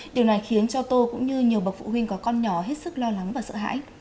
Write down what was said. điều này khiến cho tôi cũng như nhiều bậc phụ huynh có con nhỏ hết sức lo lắng và sợ hãi